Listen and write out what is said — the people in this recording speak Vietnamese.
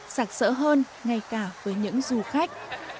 sạc sỡ hơn ngay cả với những du khách